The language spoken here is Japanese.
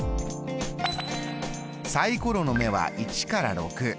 サイコロの目は１から６。